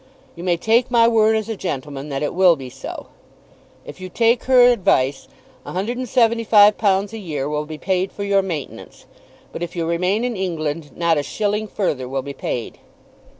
You may take my word as a gentleman that it will be so. If you take her advice £175 a year will be paid for your maintenance; but if you remain in England not a shilling further will be paid."